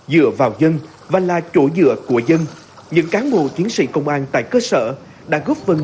dựa vào dân và là chỗ dựa của dân những cán bộ chiến sĩ công an tại cơ sở đã góp phần